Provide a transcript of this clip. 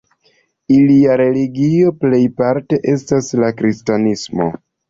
Ilia religio plejparte estas la kristanismo.